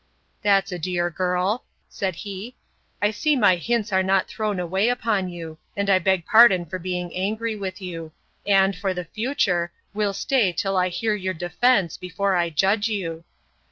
That's a dear girl! said he; I see my hints are not thrown away upon you; and I beg pardon for being angry with you; and, for the future, will stay till I hear your defence, before I judge you.